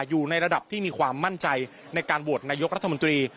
อยู่ในระดับที่มีความมั่นใจในการโหวตนายกรัฐมนตรี